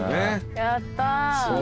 やった。